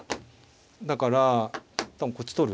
だから一旦こっち取る。